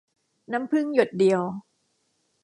น้ำผึ้งหยดเดียว